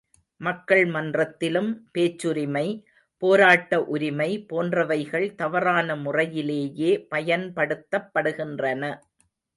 மக்கள் மன்றத்திலும் பேச்சுரிமை, போராட்ட உரிமை போன்றவைகள் தவறான முறையிலேயே பயன்படுத்தப் படுகின்றன.